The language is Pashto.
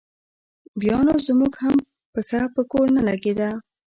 بیا نو زموږ هم پښه په کور نه لګېده.